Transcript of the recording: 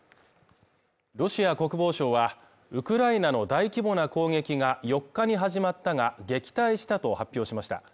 ロシア国防省は、ウクライナの大規模な攻撃が４日に始まったが、撃退したと発表しました。